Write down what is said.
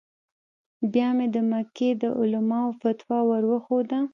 بیا یې د مکې د علماوو فتوا ور وښوده.